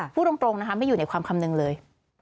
พูดตรงนะคะไม่อยู่ในความคำนึงเลย